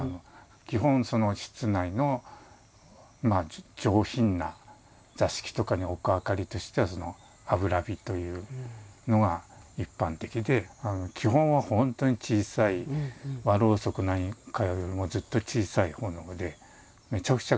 基本室内の上品な座敷とかに置く明かりとしては「油火」というのが一般的で基本は本当に小さい和ろうそくなんかよりもずっと小さい炎で。